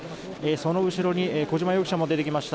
その後ろに小島容疑者も出てきました。